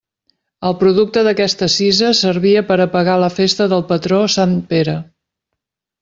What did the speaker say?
El producte d'aquesta cisa servia per a pagar la festa del patró sant Pere.